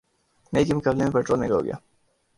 مئی کے مقابلے میں پٹرول مہنگا ہوگیا